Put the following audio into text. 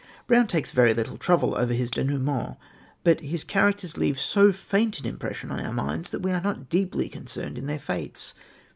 Brown takes very little trouble over his dénouements, but his characters leave so faint an impression on our minds that we are not deeply concerned in their fates.